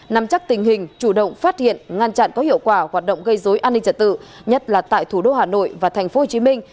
nắm chắc tình hình chủ động phát hiện ngăn chặn có hiệu quả hoạt động gây dối an ninh trật tự nhất là tại thủ đô hà nội và thành phố hồ chí minh